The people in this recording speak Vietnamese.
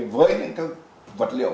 với những các vật liệu này